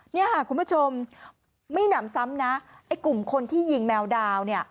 เนี่ยค่ะคุณผู้ชมไม่หนำซ้ำนะไอ้กลุ่มคนที่ยิงแมวดาวเนี่ย